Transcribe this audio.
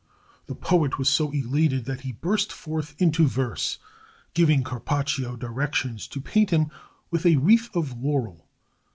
The poet was so elated that he burst forth into verse, giving Carpaccio directions to paint him with a wreath of laurel.